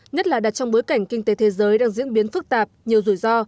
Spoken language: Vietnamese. nhất là đặt trong bối cảnh kinh tế thế giới đang diễn biến phức tạp nhiều rủi ro